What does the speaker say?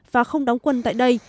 và không đóng quân tại đây